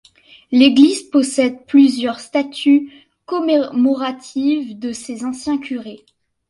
L'église possède plusieurs statues commémoratives de ses anciens curés.